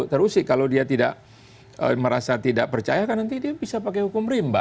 terusik kalau dia tidak merasa tidak percaya kan nanti dia bisa pakai hukum rimba